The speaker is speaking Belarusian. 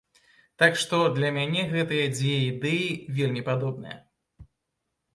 Так што для мяне гэтыя дзве ідэі вельмі падобныя.